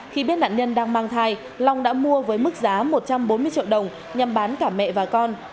khi biết nạn nhân đang mang thai long đã mua với mức giá một trăm bốn mươi triệu đồng nhằm bán cả mẹ và con